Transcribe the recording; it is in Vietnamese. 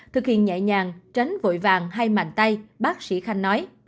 thực hiện nhẹ nhàng tránh vội vàng hay bàn tay bác sĩ khanh nói